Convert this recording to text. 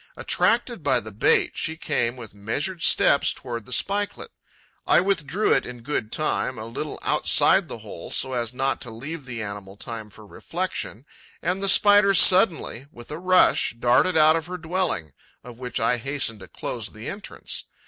Attracted by the bait, she came with measured steps towards the spikelet. I withdrew it in good time a little outside the hole, so as not to leave the animal time for reflexion; and the Spider suddenly, with a rush, darted out of her dwelling, of which I hastened to close the entrance.